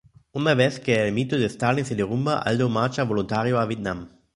Una vez que el mito de Stalin se derrumba, Aldo marcha voluntario a Vietnam.